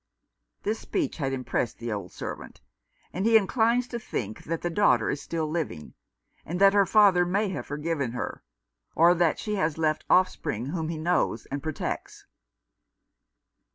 This speech had impressed the old servant ; and he inclines to think that the daughter is still living, and that her father may have forgiven her, or that she has left offspring whom he knows and protects.